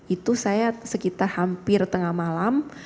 itu saya sekitar hampir tengah malam